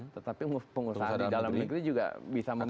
tetapi pengusaha di dalam negeri juga bisa membantu